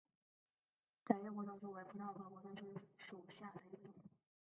窄叶火筒树为葡萄科火筒树属下的一个种。